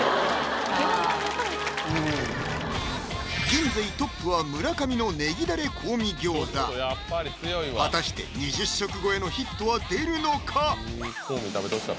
現在トップは村上のねぎダレ香味餃子果たして２０食超えのヒットは出るのか？